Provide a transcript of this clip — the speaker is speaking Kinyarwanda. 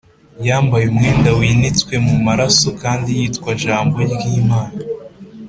Yambaye umwenda winitswe mu maraso kandi yitwa Jambo ry’Imana.